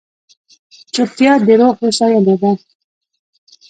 چپتیا، د روح هوساینه ده.